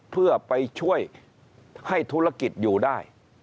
เพื่อไปช่วยให้ธุรกิจอยู่ได้